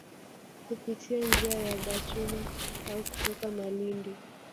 Kupitia njia ya Bachuma au kutoka Malindi